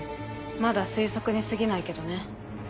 まだ推測にすぎないけどね。